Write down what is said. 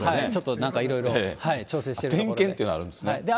ちょっとなんかいろいろ調整点検っていうのがあるんですね。